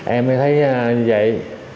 em mới thấy như vậy